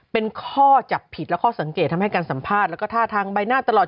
เป็นข้อจับผิดและข้อสังเกตทำให้การสัมภาษณ์แล้วก็ท่าทางใบหน้าตลอด